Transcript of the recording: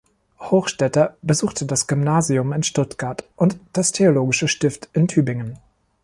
Hochstetter besuchte das Gymnasium in Stuttgart und das theologische Stift in Tübingen.